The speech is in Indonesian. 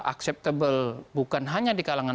acceptable bukan hanya di kalangan